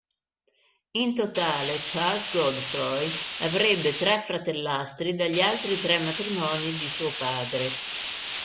In totale Charles Godefroy avrebbe tre fratellastri dagli altri tre matrimoni di suo padre.